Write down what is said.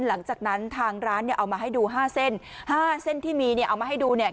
หลังจากนั้นทางร้านเนี่ยเอามาให้ดูห้าเส้นห้าเส้นที่มีเนี่ยเอามาให้ดูเนี่ย